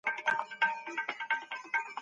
دا علم د نورو ټولنيزو علومو په څېر څو مرکزي دی.